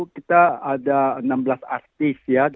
kita ada enam belas artis ya